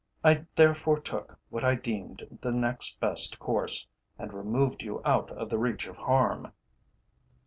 I therefore took what I deemed the next best course, and removed you out of the reach of harm."